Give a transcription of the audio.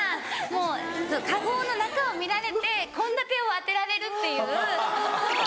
もうカゴの中を見られて献立を当てられるっていう。